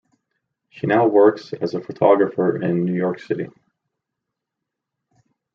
She now works as a photographer in New York City.